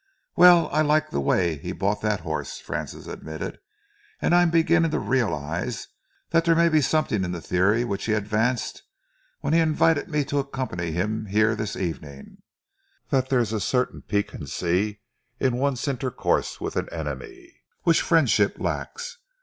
"Well, I like the way he bought that horse," Francis admitted. "And I am beginning to realise that there may be something in the theory which he advanced when he invited me to accompany him here this evening that there is a certain piquancy in one's intercourse with an enemy, which friendship lacks.